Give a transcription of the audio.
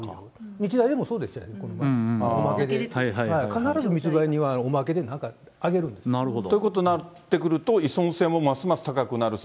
必ず密売人はおまけでなんかあげるんです。ということになってくると、依存性もますます高くなる。